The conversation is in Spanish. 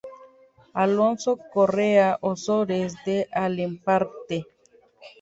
Alonso Correa Ozores de Alemparte.